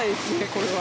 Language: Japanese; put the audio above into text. これは。